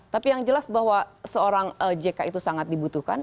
tapi yang jelas bahwa seorang jk itu sangat dibutuhkan